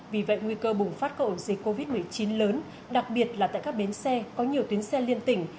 vì vậy nguy cơ bùng phát các ổ dịch covid một mươi chín lớn đặc biệt là tại các bến xe có nhiều tuyến xe liên tỉnh